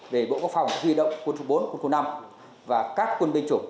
về bộ quốc phòng huy động quân chủ bốn quân chủ năm và các quân binh chủ